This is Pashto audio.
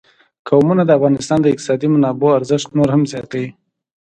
قومونه د افغانستان د اقتصادي منابعو ارزښت نور هم زیاتوي.